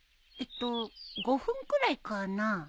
えっと５分くらいかな。